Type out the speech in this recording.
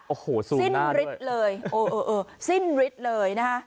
โอ้โหซูนหน้าด้วยสิ้นฤทธิ์เลย